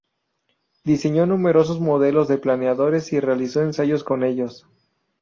Diseñó numerosos modelos de planeadores y realizó ensayos con ellos.